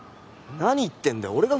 何言ってんだよ？